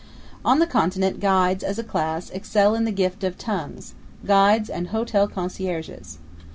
On the Continent guides, as a class, excel in the gift of tongues guides and hotel concierges.